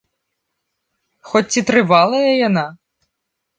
Хоць ці трывалая яна?